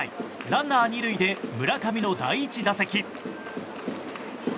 ランナー２塁で村上の第１打席。